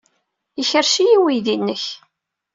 Ikerrec-iyi uydi-nnek.